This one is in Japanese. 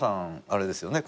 あれですよね。